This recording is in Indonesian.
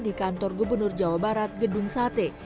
di kantor gubernur jawa barat gedung sate